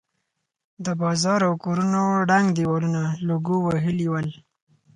د بازار او کورونو ړنګ دېوالونه لوګو وهلي ول.